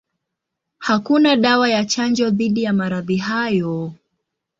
Hakuna dawa ya chanjo dhidi ya maradhi hayo.